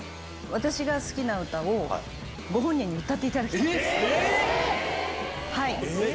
私が好きな歌を、ご本人に歌っていただきたいんです。